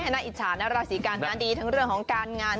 น่าอิจฉานะราศีกันนะดีทั้งเรื่องของการงาน